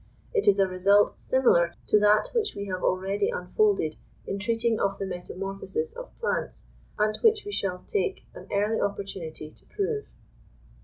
It is a result similar to that which we have already unfolded in treating of the metamorphosis of plants, and which we shall take an early opportunity to prove.